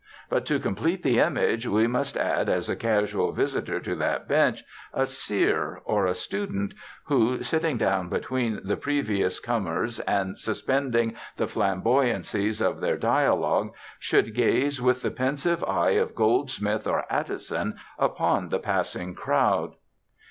But, to complete the image, we must add as a casual visitor to that bench a seer or a student, who, sitting down between the previous comers and suspending the flamboyancies of their dialogue, should gaze with the pensive eye of Goldsmith or Addison upon the passing crowd.